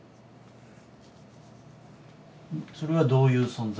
それはどういう存在？